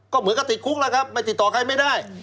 ก็เหมือนกับติดคุกแล้วครับไม่ติดต่อใครไม่ได้